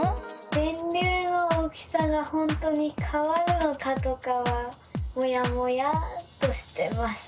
電流の大きさがほんとにかわるのかとかはモヤモヤっとしてます。